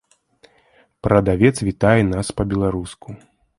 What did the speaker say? Прадавец вітае нас па-беларуску.